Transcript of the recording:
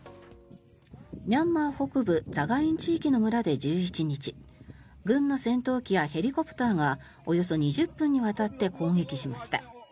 ミャンマー北部ザガイン地域の村で１１日軍の戦闘機やヘリコプターがおよそ２０分にわたって攻撃しました。